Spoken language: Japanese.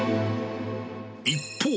一方。